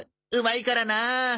うまいからなあ。